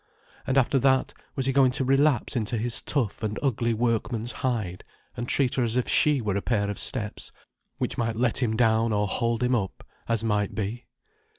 And after that was he going to relapse into his tough and ugly workman's hide, and treat her as if she were a pair of steps, which might let him down or hold him up, as might be.